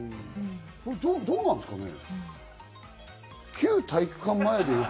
これ、どんなんですかね？